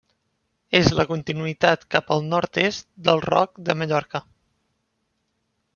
És la continuïtat cap al nord-est del Roc de Mallorca.